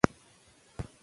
هغه وویل چې بند ګټور دی.